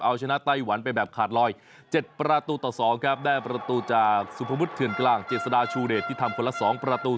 เอาชนะไต้หวันไปแบบขาดลอย๗ประตูต่อ๒ครับได้ประตูจากสุภวุฒิเถื่อนกลางเจษฎาชูเดชที่ทำคนละ๒ประตู